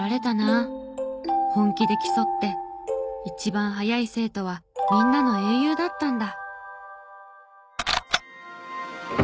本気で競って一番速い生徒はみんなの英雄だったんだ。